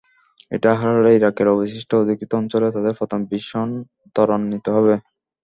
এটা হারালে ইরাকের অবশিষ্ট অধিকৃত অঞ্চলে তাদের পতন ভীষণ ত্বরান্বিত হবে।